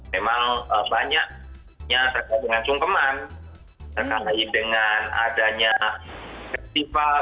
memang banyaknya terkait dengan sungkeman terkait dengan adanya festival